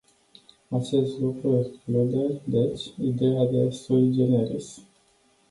Acest lucru exclude, deci, ideea de sui generis.